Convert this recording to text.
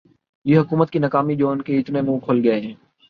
یہ حکومت کی ناکامی جو انکے اتنے منہ کھل گئے ہیں